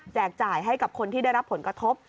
จ่ายให้กับคนที่ได้รับผลกระทบ